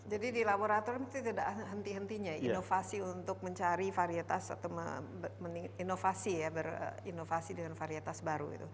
jadi di laboratorium tidak henti hentinya inovasi untuk mencari varietas atau inovasi ya berinovasi dengan varietas baru itu